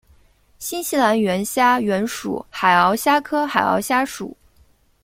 新西兰岩虾原属海螯虾科海螯虾属。